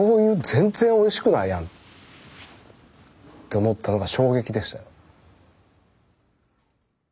全然おいしくないやんって思ったのが衝撃でしたよ。